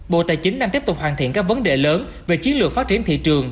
bộ tài chính đang tiếp tục hoàn thiện các vấn đề lớn về chiến lược phát triển thị trường